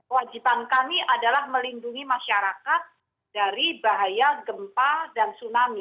wajiban kami adalah melindungi masyarakat dari bahaya gempa dan tsunami